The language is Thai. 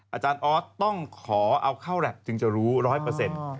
อาจารย์ออสต้องขอเอาเข้าแล็บถึงจะรู้ร้อยเปอร์เซ็นต์